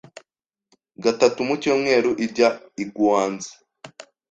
gatatu mu cyumweru ijya i Guangzhou,